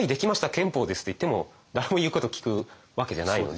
憲法です！」って言っても誰も言うこと聞くわけじゃないので。